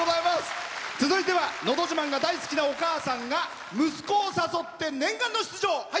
続いては「のど自慢」が大好きなお母さんが息子を誘って念願の出場。